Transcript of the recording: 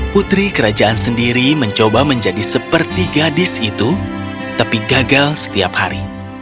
putri kerajaan sendiri mencoba menjadi seperti gadis itu tapi gagal setiap hari